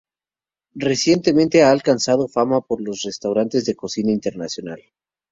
Recientemente ha alcanzado fama por los restaurantes de cocina internacional.